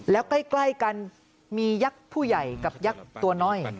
แล้วใกล้กันมียักษ์ผู้ใหญ่กับยักษ์ตัวน้อย